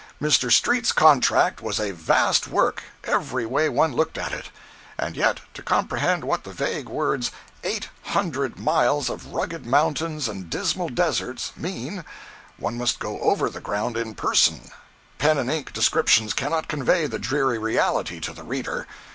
Mr. Street's contract was a vast work, every way one looked at it; and yet to comprehend what the vague words "eight hundred miles of rugged mountains and dismal deserts" mean, one must go over the ground in person—pen and ink descriptions cannot convey the dreary reality to the reader.